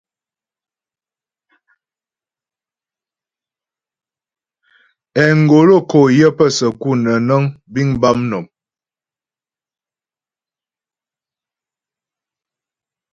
Engolo kǒ yə pə səku nə́ nəŋ biŋ bâ mnɔm.